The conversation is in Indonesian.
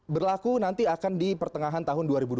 berlaku nanti akan di pertengahan tahun dua ribu dua puluh